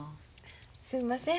すんません。